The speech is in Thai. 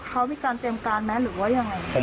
เขามีการเตรียมการไหมหรือว่ายังไง